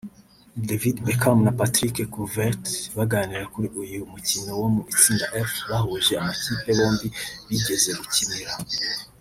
David Beckham na Patrick Kluivert baganira kuri uyu mukino wo mu itsinda F wahuje amakipe bombi bigeze gukinira